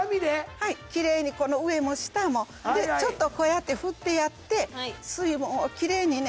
はいきれいにこの上も下もちょっとこうやって振ってやって水分をきれいにね